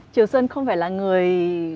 chiều xuân không phải là người